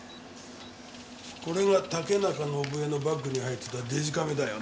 これが竹中伸枝のバッグに入ってたデジカメだよね？